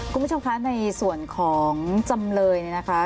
คุณผู้ชมคะในส่วนของจำเลยเนี่ยนะคะ